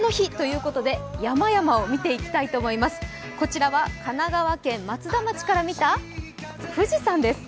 こちらは神奈川県松田町から見た富士山です。